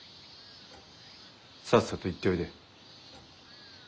さっさと行っておいで。